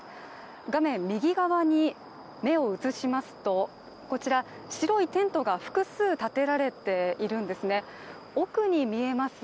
画面右側に目を移しますと、こちら白いテントが複数立てられているんです